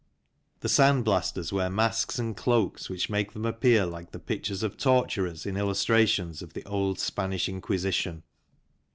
The sand blasters wear masks and cloaks which make them appear like the pictures of torturers in illustrations of the old Spanish Inquisition.